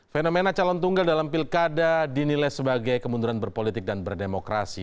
fenomena calon tunggal dalam pilkada dinilai sebagai kemunduran berpolitik dan berdemokrasi